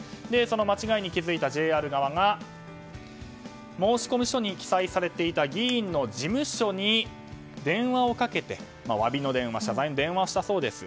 間違いに気づいたＪＲ側が申込書に記載されていた議員の事務所に電話をかけて謝罪の電話をしたそうです。